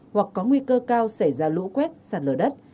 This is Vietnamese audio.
hoặc có nguy cơ cao xảy ra lũ quét sạt lở đất